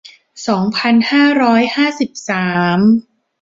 สองพันห้าร้อยห้าสิบสาม